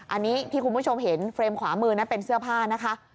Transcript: อันนี้ที่คุณผู้ชมเห็นเฟรมขวามือนั้นเป็นเสื้อผ้านะคะ